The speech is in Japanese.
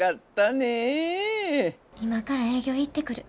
今から営業行ってくる。